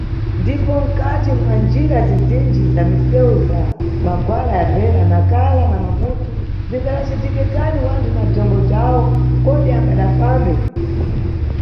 Ndipo mkati mwa njira zizinji za miseu za magwala ya Beira, Nacala na Maputo, bzingadacitike tani wanthu na bzombo bzawo kodi angadafambe?